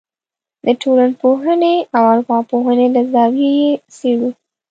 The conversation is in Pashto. د ټولنپوهنې او ارواپوهنې له زاویې یې څېړو.